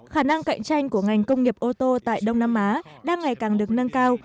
khả năng cạnh tranh của ngành công nghiệp ô tô tại đông nam á đang ngày càng được nâng cao